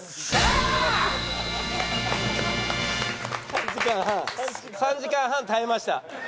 ３時間半３時間半耐えました。